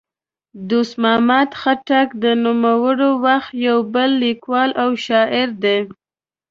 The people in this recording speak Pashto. دوست محمد خټک د نوموړي وخت یو بل لیکوال او شاعر دی.